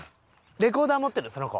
レコーダー持ってるその子。